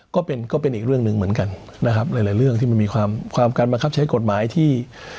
ก็เป็นก็เป็นอีกเรื่องหนึ่งเหมือนกันนะครับหลายหลายเรื่องที่มันมีความการบังคับใช้กฎหมายที่